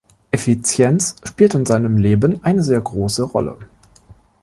Effizienz spielte in seinem Leben eine sehr große Rolle.